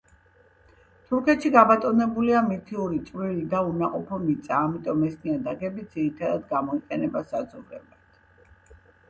თურქეთში, გაბატონებულია მთიური, წვრილი და უნაყოფო მიწა, ამიტომ, ეს ნიადაგები ძირითადად გამოიყენება საძოვრებად.